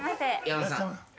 山里さん。